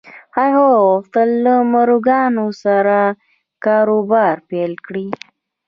هغه غوښتل له مورګان سره کاروبار پیل کړي